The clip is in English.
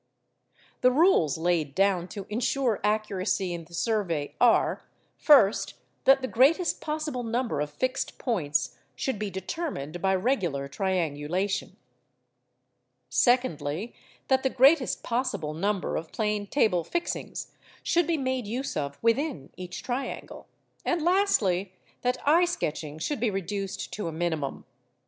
The rules laid down to insure accuracy in the survey are—first, that the greatest possible number of fixed points should be determined by regular triangulation; secondly, that the greatest possible number of plane table fixings should be made use of within each triangle; and lastly, that eye sketching should be reduced to a minimum.